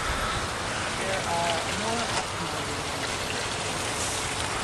There are more optimizations to go.